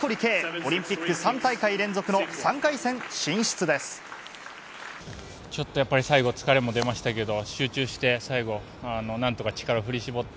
オリンピック３大会連続の３回戦ちょっとやっぱり最後、疲れも出ましたけど、集中して、最後、なんとか力を振り絞って。